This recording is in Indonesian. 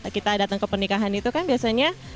kita datang ke pernikahan itu kan biasanya